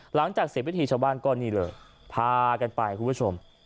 หลังจากเสร็จพิธีชาวบ้านก็นี่เลยพากันไปคุณผู้ชม